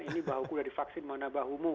ini bahu ku sudah divaksin mana bahumu